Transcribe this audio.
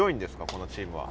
このチームは。